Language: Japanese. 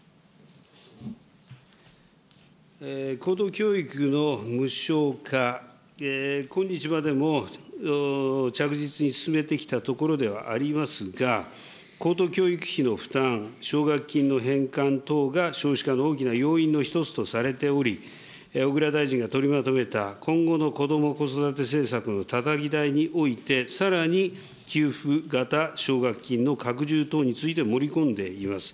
高等教育の無償化、今日までも着実に進めてきたところではありますが、高等教育費の負担、奨学金の返還等が少子化の大きな要因の一つとされており、小倉大臣が取りまとめた今後の子ども・子育て政策のたたき台において、さらに給付型奨学金の拡充等について盛り込んでいます。